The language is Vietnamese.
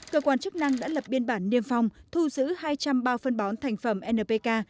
cơ quan chức năng đã lập biên bản niêm phong thu giữ hai trăm linh bao phân bón thành phẩm npk